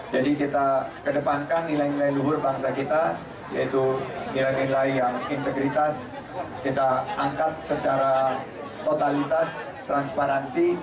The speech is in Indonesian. jadi kita kedepankan nilai nilai luhur bangsa kita yaitu nilai nilai yang integritas kita angkat secara totalitas transparansi